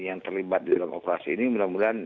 yang terlibat di dalam operasi ini mudah mudahan